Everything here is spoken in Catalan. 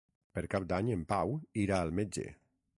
Per Cap d'Any en Pau irà al metge.